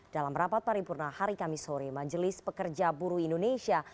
dalam rapat paripurna hari kamis sore majelis pekerja buruh indonesia